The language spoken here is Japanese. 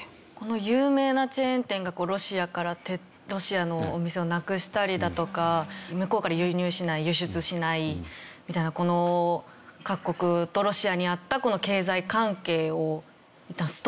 有名なチェーン店がロシアのお店をなくしたりだとか向こうから輸入しない輸出しないみたいなこの各国とロシアにあった経済関係をいったんストップさせた。